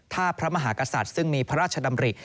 ถ้าพระมหากษัตริย์ซึ่งมีพระราชดำริ